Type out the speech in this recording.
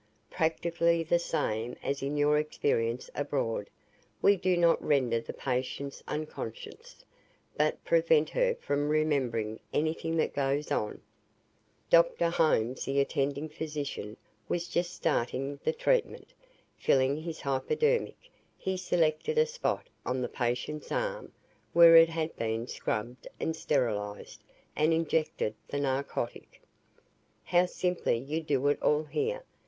"Practically the same as in your experience abroad. We do not render the patient unconscious, but prevent her from remembering anything that goes on." Dr. Holmes, the attending physician, was just starting the treatment. Filling his hypodermic, he selected a spot on the patient's arm, where it had been scrubbed and sterilized, and injected the narcotic. "How simply you do it all, here!"